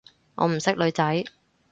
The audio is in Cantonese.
我唔識女仔